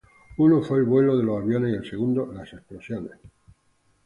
Uno fue el vuelo de los aviones y el segundo las explosiones.